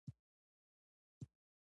خارجي قواوو په اړه پوه شي.